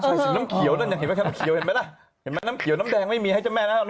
ทุกสิ่งน้ำเขียวน้ำเขียวน้ำแดงจะไม่มีให้เจ้าแม่๙๘๐๐ว์ได้ติดต่อธุระ